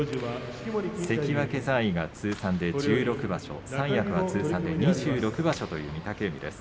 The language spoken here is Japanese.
関脇在位が通算で１６場所三役で通算で２６場所という御嶽海です。